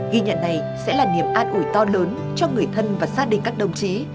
ghi nhận này sẽ là niềm an ủi to lớn cho người thân và gia đình các đồng chí